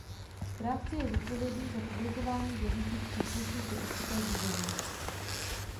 Správce je zodpovědný za publikování v jazycích příslušných do určité divize.